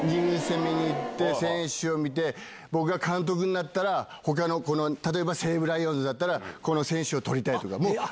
選手を見て僕が監督になったら例えば西武ライオンズだったらこの選手を取りたいとか。